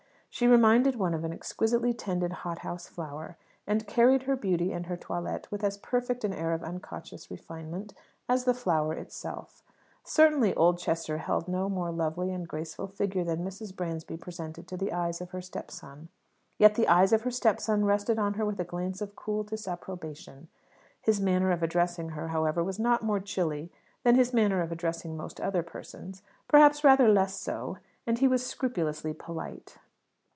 She reminded one of an exquisitely tended hothouse flower, and carried her beauty and her toilet with as perfect an air of unconscious refinement as the flower itself. Certainly Oldchester held no more lovely and graceful figure than Mrs. Bransby presented to the eyes of her stepson. Yet the eyes of her stepson rested on her with a glance of cool disapprobation. His manner of addressing her, however, was not more chilly than his manner of addressing most other persons perhaps rather less so; and he was scrupulously polite.